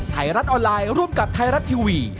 ไทยรัฐออนไลน์ร่วมกับไทยรัฐทีวี